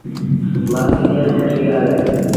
مآڦيٚ ڏيڻ سُٺيٚ ڳآل اهي۔